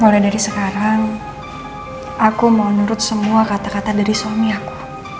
mulai dari sekarang aku mau nurut semua kata kata dari suami aku